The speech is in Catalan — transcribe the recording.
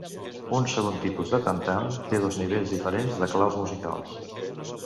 Un segon tipus de tam-tam té dos nivells diferents de claus musicals.